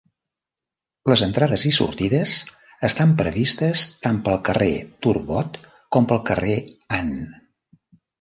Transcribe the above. Les entrades i sortides estan previstes tant pel carrer Turbot com pel carrer Ann.